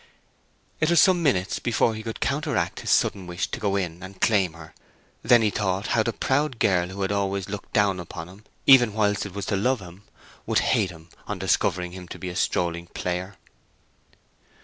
It was some minutes before he could counteract his sudden wish to go in, and claim her. Then he thought how the proud girl who had always looked down upon him even whilst it was to love him, would hate him on discovering him to be a strolling player.